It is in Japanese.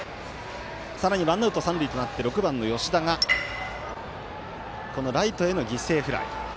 さらにワンアウト、三塁となって６番の吉田がライトへの犠牲フライ。